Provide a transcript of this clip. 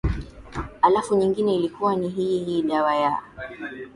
alafu nyingine ilikuwa ni ni hii dawa ya